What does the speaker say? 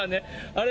あれ？